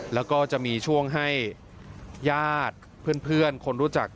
แล้วก็จะมีช่วงให้ญาติเพื่อนคนรู้จัก